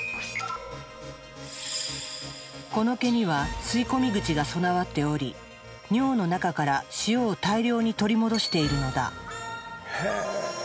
この毛には吸い込み口が備わっており尿の中から塩を大量に取り戻しているのだ。